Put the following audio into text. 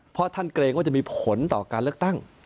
เพราะท่านเกรงว่าจะมีผลต่อการเลือกตั้ง